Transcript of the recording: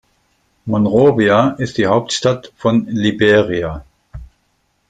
Monrovia ist die Hauptstadt von Liberia.